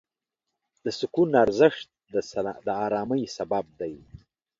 د سکون ارزښت د آرامۍ سبب دی.